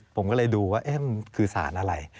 ผมก็เลยดูว่ามันคือสารอะไร